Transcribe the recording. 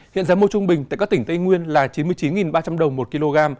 hiện giá mua trung bình tại các tỉnh tây nguyên là chín mươi chín ba trăm linh đồng một kg